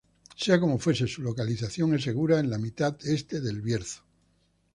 Sea como fuese su localización es segura en la mitad Este de El Bierzo.